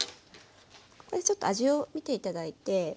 これでちょっと味をみて頂いて。